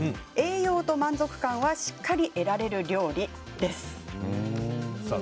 栄養と満足感はしっかり得られる料理です。